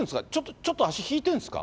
ちょっと足、引いてるんですか？